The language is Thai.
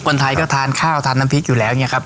คนไทยก็ทานข้าวทานน้ำพริกอยู่แล้วอย่างนี้ครับ